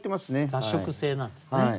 雑食性なんですね。